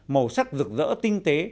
màu sắc rực rỡ tinh tế